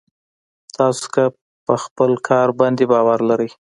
تاسې که په خپل کار باندې باور لرئ.